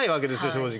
正直。